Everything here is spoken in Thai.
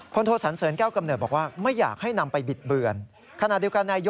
พลโทษันเสริญแก้วกำเนิดบอกว่า